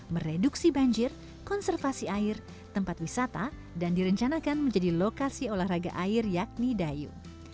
mereduksi banjir konservasi air tempat wisata dan direncanakan menjadi lokasi olahraga air yakni dayu